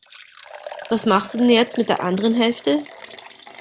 Was machst du denn jetzt mit der anderen Hälfte?